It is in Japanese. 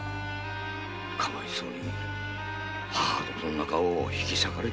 かわいそうに母と子の仲を引き裂かれて。